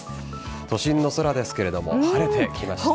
都心の空ですが晴れてきました。